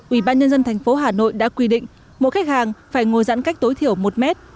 ủy ban nhân dân thành phố hà nội đã quy định một khách hàng phải ngồi giãn cách tối thiểu một mét